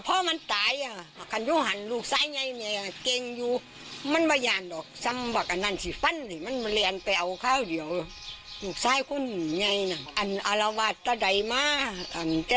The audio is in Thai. เป็นบิวส่อยเหลือคนไปเหนื่องนอกมาก่อน